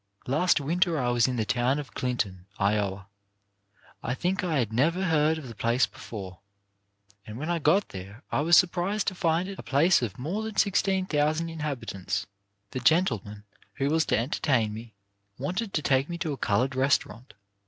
Last winter I was in the town of Clinton, Iowa. I think I had never heard of the place before, and when I got there I was surprised to find it a place of more than 16,000 inhabitants. The gentleman who was to entertain me wanted to take me to a coloured restaurant.